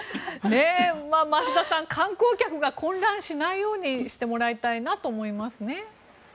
増田さん観光客が混乱しないようにしてもらいたいなと思いますね。